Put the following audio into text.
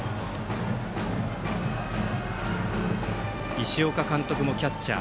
石岡監督もキャッチャー。